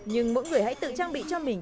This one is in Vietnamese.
nhưng mỗi người hãy tự trang bị cho mình